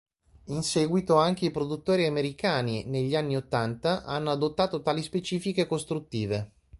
In seguito anche i produttori americani, negli anni ottanta, hanno adottato tali specifiche costruttive.